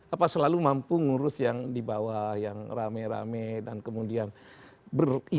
apa selalu mampu ngurus yang di bawah yang rame rame dan kemudian beriba